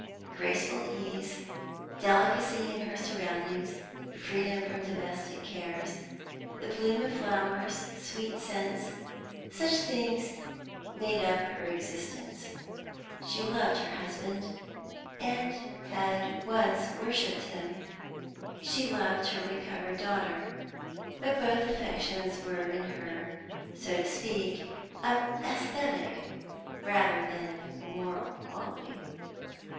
Graceful ease, delicacy in her surroundings, freedom from domestic cares, the bloom of flowers, sweet scents such things made up her existence. She loved her husband, and had once worshipped him; she loved her recovered daughter; but both affections were in her, so to speak, of aesthetic rather than of moral quality.